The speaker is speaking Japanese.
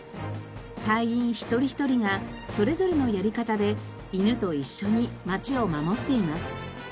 隊員一人一人がそれぞれのやり方で犬と一緒に街を守っています。